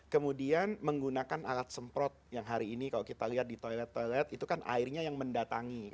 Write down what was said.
kemudian menggunakan alat semprot yang hari ini kalau kita lihat di toilet toilet itu kan airnya yang mendatangi